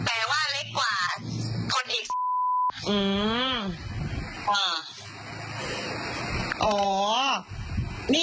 แต่ว่าเล็กกว่าคนอีก